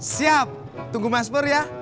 siap tunggu mas bur ya